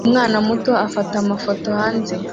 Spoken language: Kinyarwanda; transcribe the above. Umwana muto afata amafoto hanze